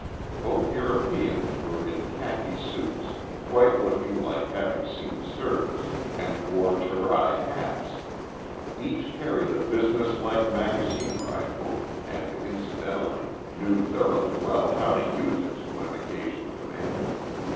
Both Europeans were in khaki suits, quite looking like having seen service, and wore Terai hats. Each carried a business like magazine rifle and, incidentally, knew thoroughly well how to use it when occasion demanded.